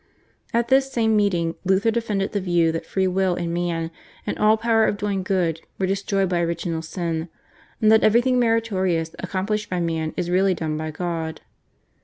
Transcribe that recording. At this same meeting Luther defended the view that free will in man and all power of doing good were destroyed by original sin, and that everything meritorious accomplished by man is really done by God.